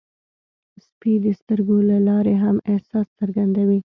سپي د سترګو له لارې هم احساس څرګندوي.